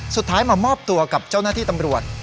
สุดท้ายมามอบตัวกับเจ้าหน้าที่ตำรวจ